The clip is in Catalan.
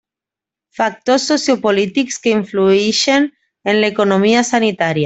Factors sociopolítics que influïxen en l'economia sanitària.